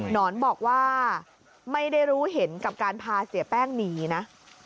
นอนบอกว่าไม่ได้รู้เห็นกับการพาเสียแป้งหนีนะ